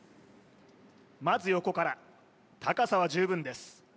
まず横から高さは十分です